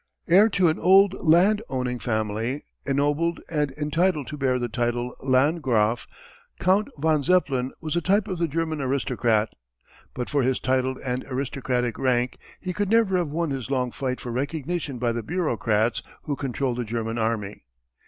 Heir to an old land owning family, ennobled and entitled to bear the title Landgraf, Count von Zeppelin was a type of the German aristocrat. But for his title and aristocratic rank he could never have won his long fight for recognition by the bureaucrats who control the German army.